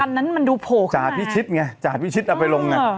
คันนั้นมันดูโโขขึ้นมานะจาดพี่ชิดไงจาดพี่ชิดเอาไปลงไง